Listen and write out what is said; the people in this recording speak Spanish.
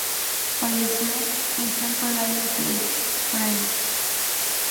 Falleció en Châtelaillon-Plage, Francia.